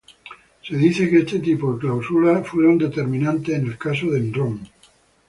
Se dice que este tipo de cláusulas fueron determinantes en el caso de Enron.